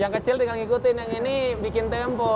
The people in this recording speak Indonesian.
yang kecil tinggal ngikutin yang ini bikin tempo